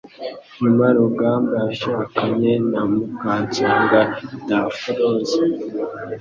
Nyuma Rugamba yashakanye na Mukansanga Daphrose